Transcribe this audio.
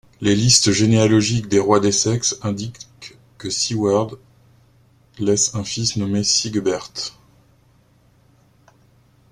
Les listes généalogiques des rois d'Essex indiquent que Sæweard laisse un fils nommé Sigeberht.